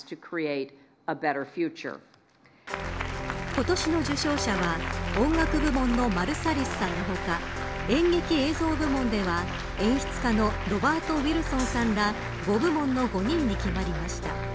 今年の受賞者は音楽部門のマルサリスさん他演劇・映像部門では演出家のロバート・ウィルソンさんら５部門の５人に決まりました。